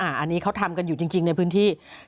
อันนี้เขาทำกันอยู่จริงในพื้นที่